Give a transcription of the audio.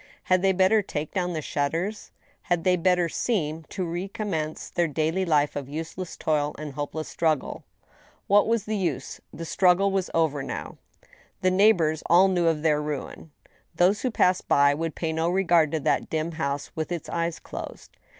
Had they better take down the shutters ? Had they better seent to recommence their daily life of useless toil and hopeless struggle ? What was the use — ^the struggle was over now ? 78 THE STEEL HAMMER. The neighbors all knew of their ruin. Those who passed by would pay no regard to that dim house with its eyes closed.